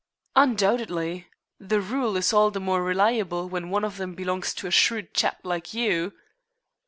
"Undoubtedly. The rule is all the more reliable when one of them belongs to a shrewd chap like you."